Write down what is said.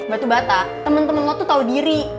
batu bata temen temen lo tuh tau diri